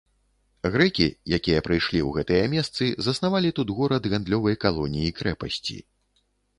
Грэкі, якія прыйшлі ў гэтыя месцы, заснавалі тут горад гандлёвай калоніі-крэпасці.